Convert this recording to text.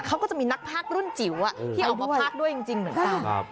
เขาก็จะมีนักภาครุ่นจิ๋วที่ออกมาภาคด้วยจริงเหมือนกัน